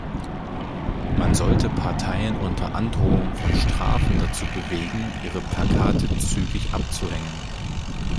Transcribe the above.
Man sollte Parteien unter Androhung von Strafen dazu bewegen, ihre Plakate zügig abzuhängen.